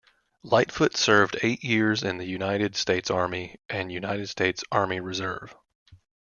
Lightfoot served eight years in the United States Army and United States Army Reserve.